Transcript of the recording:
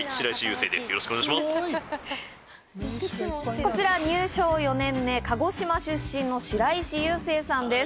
こちら入省４年目、鹿児島出身の白石優生さんです。